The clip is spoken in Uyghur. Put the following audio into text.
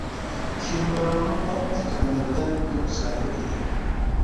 كىيىملىرىڭنىڭ ئاپئاق رەڭلىرىدە بۇلۇت زاھىر ئىدى.